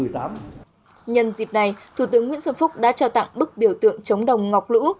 trong thời điểm này thủ tướng nguyễn xuân phúc đã trao tặng bức biểu tượng chống đồng ngọc lũ